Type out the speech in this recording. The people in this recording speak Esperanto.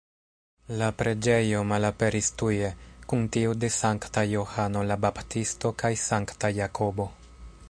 La preĝejo malaperis tuje, kun tiu de Sankta Johano la Baptisto kaj Sankta Jakobo.